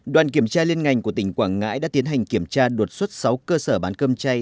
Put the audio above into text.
đoàn kiểm tra liên ngành của tỉnh quảng ngãi đã tiến hành kiểm tra đột xuất sáu cơ sở bán cơm chay